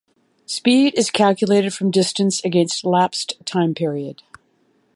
Speed is calculated from distance against lapsed time period.